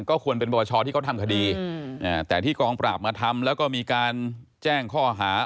ก็ควรเป็นบวชที่เขาทำคดีแต่ที่กองปราบมาทำแล้วก็มีการแจ้งข้อหา